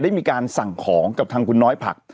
ได้มีการสั่งของกับทางคุณน้อยผัก